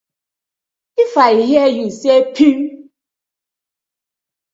If I hear yu say pipp.